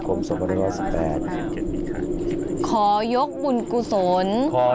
ขอยกบุญกุศลขอยกบุญกุศล